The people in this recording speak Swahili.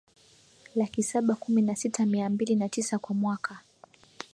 laki saba kumi na sita mia mbili na tisa kwa mwaka